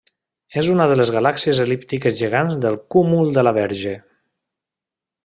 És una de les galàxies el·líptiques gegants del cúmul de la Verge.